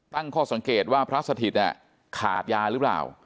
ตั้งข้อสังเกตว่าพระสถิตขาดยาหรือเปล่า